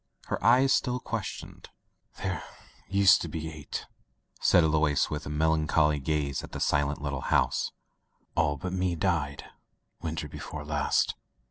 Her eyes still questioned. "There used to be eight," said Alois, with a melancholy gaze at the silent litde house. "All but me died winter before last."